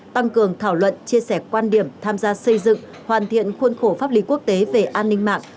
tăng cường thảo luận chia sẻ quan điểm tham gia xây dựng hoàn thiện khuôn khổ pháp lý quốc tế về an ninh mạng